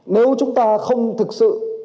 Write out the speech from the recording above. nếu chúng ta không thực sự